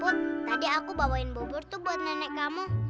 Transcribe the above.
put tadi aku bawain bobor tuh buat nenek kamu